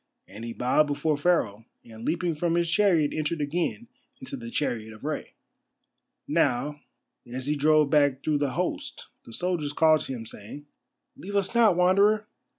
And he bowed before Pharaoh, and leaping from his chariot entered again into the chariot of Rei. Now, as he drove back through the host the soldiers called to him, saying: "Leave us not, Wanderer."